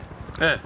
ええ。